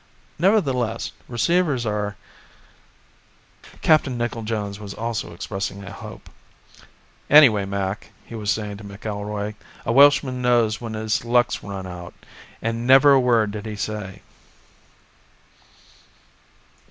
Nevertheless, receivers are ... Captain Nickel Jones was also expressing a hope: "Anyway, Mac," he was saying to McIlroy, "a Welshman knows when his luck's run out. And never a word did he say."